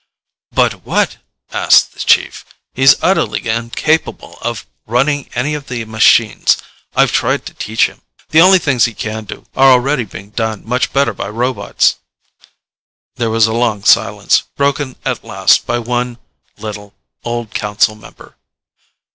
"But what?" asked the Chief. "He's utterly incapable of running any of the machines. I've tried to teach him. The only things he can do, are already being done much better by robots." There was a long silence, broken at last by one little, old council member.